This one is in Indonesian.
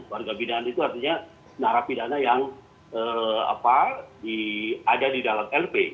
warga binaan itu artinya narapidana yang ada di dalam lp